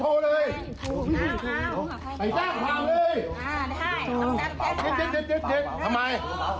ทำไม